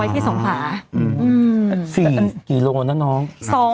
ที่สงขา๔กิโลเนอะน้อง